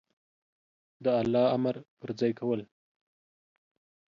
د الله امر په ځای کول